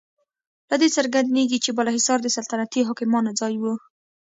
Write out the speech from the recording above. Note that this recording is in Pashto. له دې څرګندیږي چې بالاحصار د سلطنتي حاکمانو ځای و.